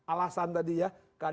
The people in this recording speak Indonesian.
alasan tadi ya